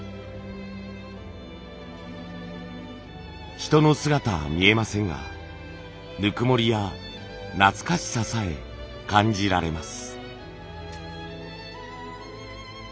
人の姿は見えませんがぬくもりや懐かしささえ感じられます。